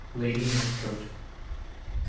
(Lady Northcote). Comm.